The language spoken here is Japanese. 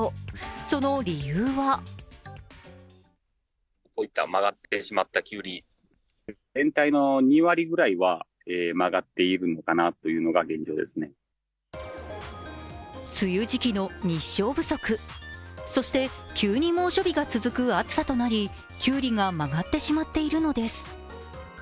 その理由は梅雨時期の日照不足、そして急に猛暑日が続く暑さとなりきゅうりが曲がってしまっているのです。